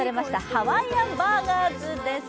ハワイアンバーガーズです。